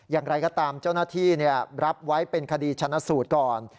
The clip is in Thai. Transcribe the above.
อย่างไรก็ตามเจ้าหน้าที่รับไว้เป็นคดีชนะสูตรก่อน